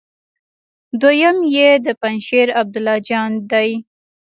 دوهم يې د پنجشېر عبدالله جان دی.